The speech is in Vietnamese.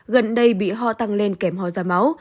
gần đây bị ho tăng lên kém ho ra máu